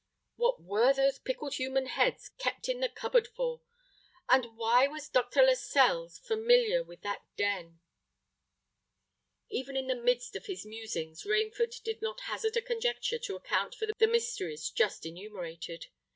what were those pickled human heads kept in the cupboard for? and why was Dr. Lascelles familiar with that den?" Even in the midst of his musings, Rainford did not hazard a conjecture to account for the mysteries just enumerated.